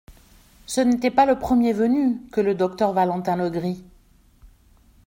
Ce n'était pas le premier venu, que le docteur Valentin Legris.